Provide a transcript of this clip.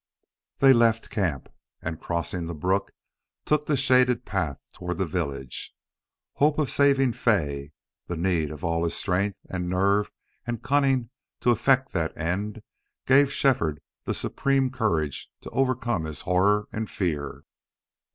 They left camp and, crossing the brook, took the shaded path toward the village. Hope of saving Fay, the need of all his strength and nerve and cunning to effect that end, gave Shefford the supreme courage to overcome his horror and fear.